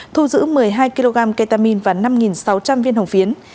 thu giữ một mươi hai kg ketamin và năm sáu trăm linh viên hồng phiến